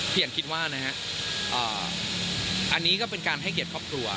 เปลี่ยนคิดว่าอันนี้ก็เป็นการให้เกียรติครอบครัว